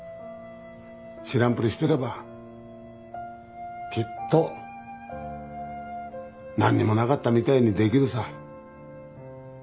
知らんぷりしてればきっとなんにもなかったみたいにできるさ。